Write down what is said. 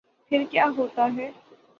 پھر کیا ہوتا ہے۔